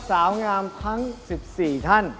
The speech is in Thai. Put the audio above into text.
เสียงบันดาลเทียม